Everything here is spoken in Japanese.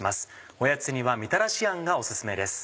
おやつにはみたらしあんがお薦めです。